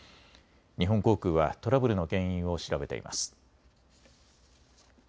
日本航空はトラブルの原因を調べています。